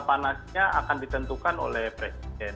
panasnya akan ditentukan oleh presiden